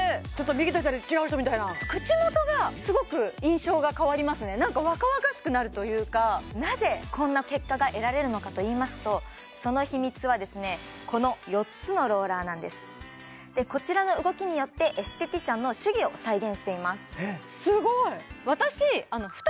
右と左違う人みたいやな口元がすごく印象が変わりますねなんか若々しくなるというかなぜこんな結果が得られるのかといいますとその秘密はこのこちらの動きによってエステティシャンの手技を再現していますすごい！